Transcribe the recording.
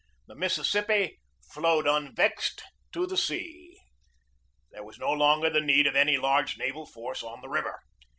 The Mississippi "flowed unvexed to the sea." There was no longer the need of any large naval force on the river.